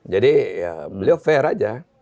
jadi beliau fair aja